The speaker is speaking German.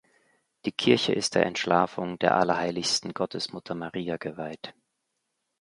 Die Kirche ist der Entschlafung der Allerheiligsten Gottesmutter Maria geweiht.